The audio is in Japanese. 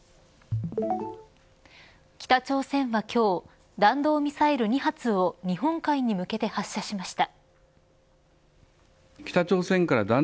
北朝鮮は今日弾道ミサイル２発を日本海に向けて発射しました。